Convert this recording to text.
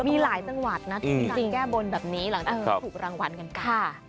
มีหลายจังหวัดนะที่มาแก้บนแบบนี้หลังจากที่ถูกรางวัลกันค่ะ